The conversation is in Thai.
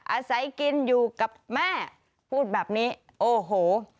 อาศัยกินอยู่กับแม่พูดแบบนี้โอ้โห